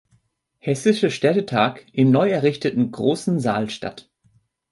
Hessische Städtetag im neu errichteten Großen Saal statt.